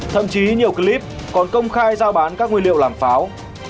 thậm chí nhiều clip còn công khai giao bán các nguyên liệu làm pháo